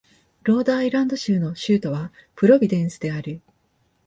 ロードアイランド州の州都はプロビデンスである